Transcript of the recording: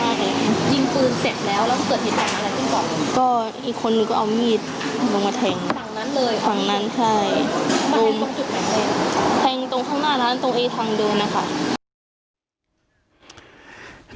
แห่งตรงข้างหน้านั้นตรงอีกทางดูนะครับ